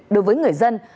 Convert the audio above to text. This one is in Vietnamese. đối với người dân